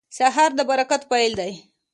سهار د برکت پیل دی.